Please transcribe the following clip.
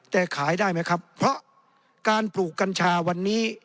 แต่ขายได้ไหมครับเพราะการปลูกกัญชาวันนี้